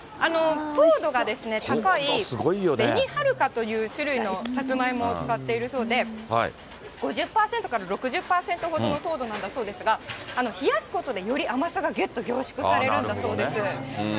糖度が高いべにはるかという種類のさつまいもを使っているそうで、５０％から６０％ほどの糖度なんだそうですが、冷やすことでより甘さがぎゅっと凝縮されるんだそうです。